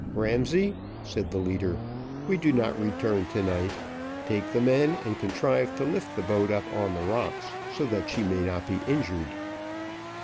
"Ramsay," said the leader, "we do not return to night; take the men, and contrive to lift the boat up on the rocks, so that she may not be injured."